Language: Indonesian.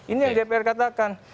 ini yang dpr katakan